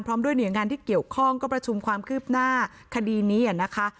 พร้อมด้วยเหนืองานที่เกี่ยวข้องกับประชุมความคืบหน้าคดีนี้อะนะคะ